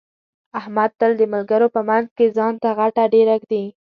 احمد تل د ملګرو په منځ کې ځان ته غټه ډېره ږدي.